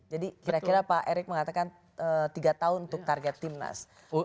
jadi kira kira pak erick mengatakan tiga tahun untuk target timnas